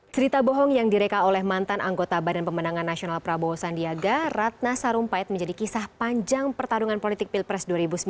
berita bohong yang direka oleh mantan anggota badan pemenangan nasional prabowo sandiaga ratna sarumpait menjadi kisah panjang pertarungan politik pilpres dua ribu sembilan belas